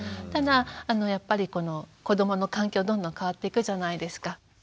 ただやっぱり子どもの環境どんどん変わっていくじゃないですか。